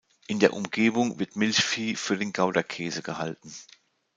In der Umgebung wird Milchvieh für den Gouda-Käse gehalten.